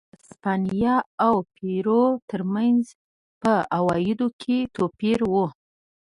دا د هسپانیا او پیرو ترمنځ په عوایدو کې توپیر و.